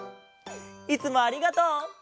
いつもありがとう！